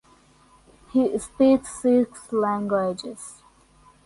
He speaks six languages.